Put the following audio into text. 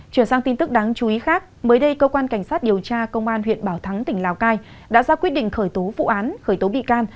chuyển sang tin tức đáng chú ý khác mới đây cơ quan cảnh sát điều tra công an huyện bảo thắng tỉnh lào cai đã ra quyết định khởi tố vụ án khởi tố bị can